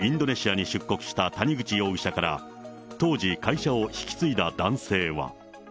おととし１０月にインドネシアに出国した谷口容疑者から、当時、会社を引き継いだ男性は。